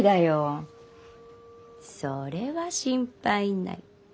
それは心配ない。